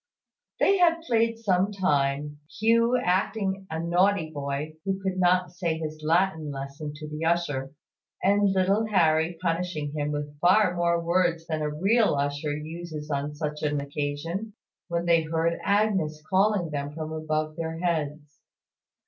They had played some time, Hugh acting a naughty boy who could not say his Latin lesson to the usher, and little Harry punishing him with far more words than a real usher uses on such an occasion, when they heard Agnes calling them from above their heads.